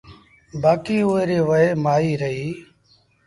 بآڪيٚݩ اُئي ريٚ وهي مآئيٚ رهيٚ